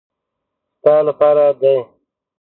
ستا له پاره دي .